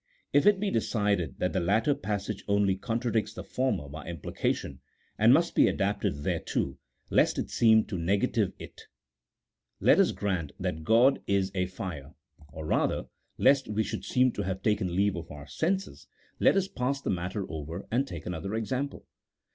If it be decided that the latter passage only contradicts the former by im plication, and must be adapted thereto, lest it seem to negative it, let us grant that God is a fire ; or rather, lest o 194 A THEOLOGICO POLITICAL TREATISE. [CHAP. XV. we should seem to have taken leave of our senses, let us pass the matter over and take another example.